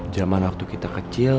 zaman waktu kita kecil